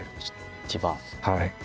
はい。